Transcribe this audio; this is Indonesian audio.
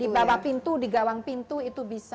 di bawah pintu di gawang pintu itu bisa